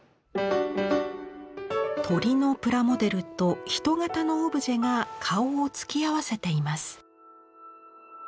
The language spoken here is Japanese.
鳥のプラモデルと人型のオブジェが顔を突き合わせています。